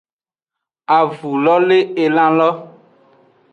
Avu lo le elan lo.